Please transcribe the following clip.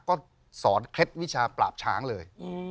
ก็สอนเคล็ดวิชาปราบช้างเลย